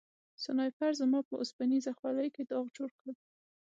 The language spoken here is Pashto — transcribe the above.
سنایپر زما په اوسپنیزه خولۍ کې داغ جوړ کړ